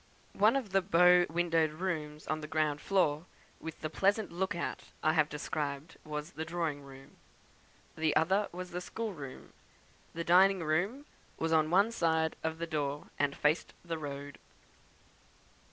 One of the bow windowed rooms on the ground floor with the pleasant look out I have described was the drawing room; the other was the schoolroom. The dining room was on one side of the door, and faced the road.